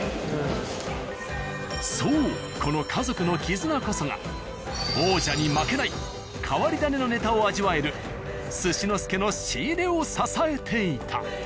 そうこの家族の絆こそが王者に負けない変わり種のネタを味わえる「すし之助」の仕入れを支えていた。